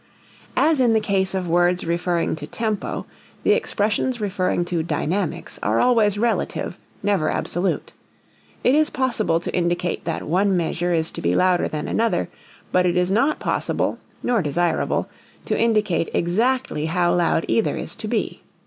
As in the case of words referring to tempo, the expressions referring to dynamics are always relative, never absolute; it is possible to indicate that one measure is to be louder than another, but it is not possible (nor desirable) to indicate exactly how loud either is to be.